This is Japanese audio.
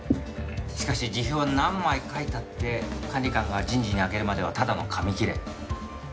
しかし辞表は何枚書いたって管理官が人事にあげるまではただの紙切れ。